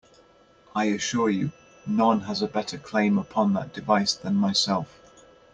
I assure you, none has a better claim upon that device than myself.